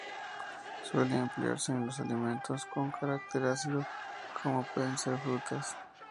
Suele emplearse en los alimentos con carácter ácido, como pueden ser frutas.